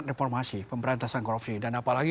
reformasi pemberantasan korupsi dan apalagi